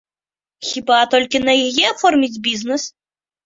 Хіба толькі на яе аформіць бізнэс?